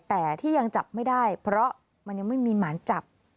แต่ที่ยังจับไม่ได้เพราะมันยังไม่มีหมายจับ